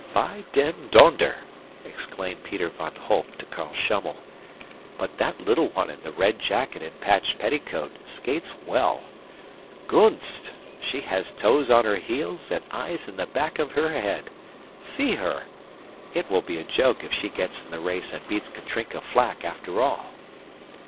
"By den donder!" exclaimed Peter van Holp to Carl Schummel, "but that little one in the red jacket and patched petticoat skates well. Gunst! She has toes on her heels and eyes in the back of her head! See her! It will be a joke if she gets in the race and beats Katrinka Flack, after all."